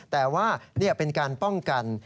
แต่ว่าเป็นการป้องกัน